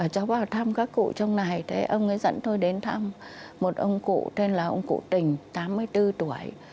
cháu bảo thăm các cụ trong này thế ông ấy dẫn tôi đến thăm một ông cụ tên là ông cụ tình tám mươi bốn tuổi